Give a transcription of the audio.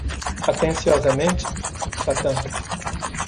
Atenciosamente,? satan.